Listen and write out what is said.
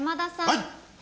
はい！